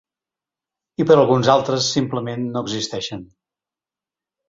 I per alguns altres simplement no existeixen.